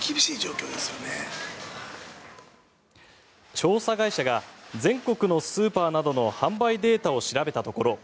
調査会社が全国のスーパーなどの販売データを調べたところ